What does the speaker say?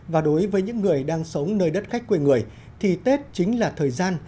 và đối với những người đang sống nơi đất khách quê người thì tết chính là thời gian